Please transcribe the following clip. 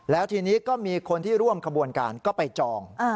แล้วทีนี้ก็มีคนที่ร่วมขบวนการก็ไปจอง